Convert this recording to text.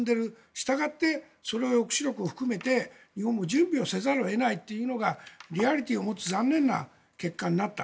したがってその抑止力を含めて日本も準備せざるを得ないというのがリアリティーを持つ残念な結果になった。